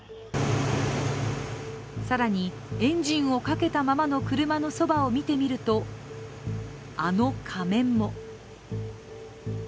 更にエンジンをかけたままの車のそばを見てみるとあの仮面も。